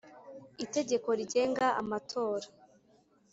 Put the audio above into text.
Itegeko rigenga amatora